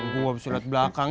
gue bisa liat belakang